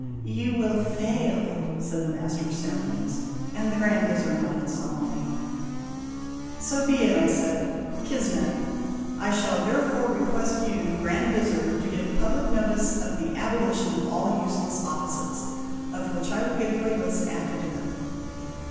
"You will fail," said the Master of Ceremonies, and the Grand Vizir nodded solemnly. THE SEQUEL 6l " So be it !' I said. " Kismet. I shall therefore request you, Grand Vizir, to give public notice of the abolition of all useless offices, of which I will give you a list after dinner."